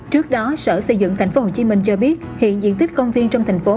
trước đó sở xây dựng thành phố hồ chí minh cho biết hiện diện tích công viên trong thành phố